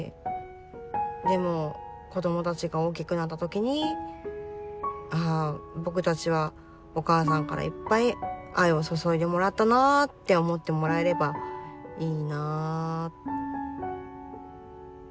でも子どもたちが大きくなった時に「ああ僕たちはお母さんからいっぱい愛を注いでもらったな」って思ってもらえればいいな。